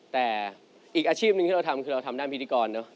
แต่อีกอาชีพหนึ่งที่เราทำคือเราทำด้านพิธีกรเนอะ